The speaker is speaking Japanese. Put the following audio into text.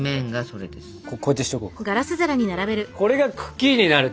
それが茎になる。